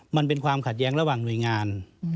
มันเป็นความขัดแย้งระหว่างหน่วยงาน